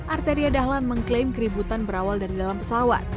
arteria dahlan mengklaim keributan berawal dari dalam pesawat